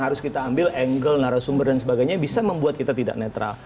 harus kita ambil angle narasumber dan sebagainya bisa membuat kita tidak netral